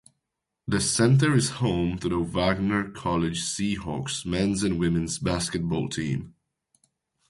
The center is home to the Wagner College Seahawks men's and women's basketball team.